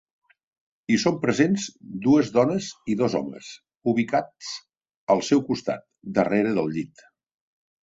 Hi són presents dues dones i dos homes ubicats al seu costat, darrere del llit.